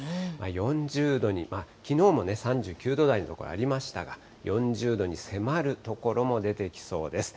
４０度に、きのうも３９度台の所ありましたが、４０度に迫る所も出てきそうです。